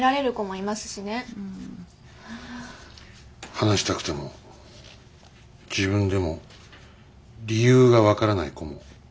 話したくても自分でも理由が分からない子もいると思います。